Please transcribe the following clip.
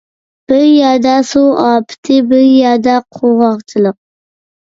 بىر يەردە سۇ ئاپىتى، بىر يەردە قۇرغاقچىلىق.